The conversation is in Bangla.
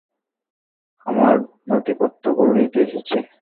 আমার নথিপত্রগুলো নিতে এসেছি।